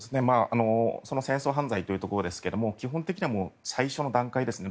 戦争犯罪というところですが基本的に最初の段階ですね